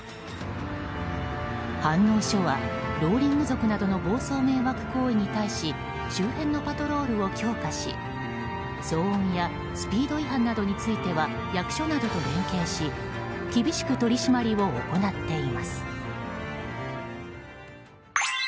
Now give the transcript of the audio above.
飯能署は、ローリング族などの暴走迷惑行為に対し周辺のパトロールを強化し騒音やスピード違反などについては役所などと連携し厳しく取締りを行っています。